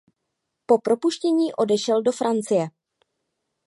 Po propuštění odešel do Francie.